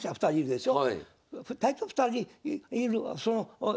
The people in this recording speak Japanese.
でしょ。